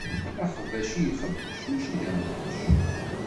D axbac i ixebbec, mačči d anqac.